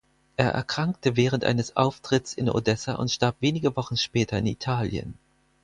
Er erkrankte während eines Auftritts in Odessa und starb wenige Wochen später in Italien.